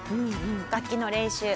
楽器の練習。